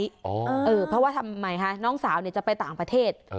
เพราะว่าทำไมคะน้องสาวจะไปต่างประเทศ